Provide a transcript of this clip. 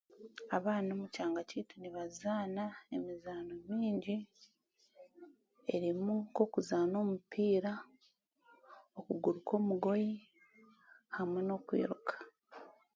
Abaana omu kyanga kyaitu nibazaana emizaano mingi erimu nk'okuzaana omupiira, okuguruka omugoyi hamwe n'okwiruka